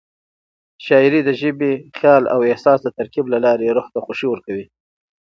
شاعري د ژبې، خیال او احساس د ترکیب له لارې روح ته خوښي ورکوي.